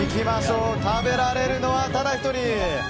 食べられるのはただ１人。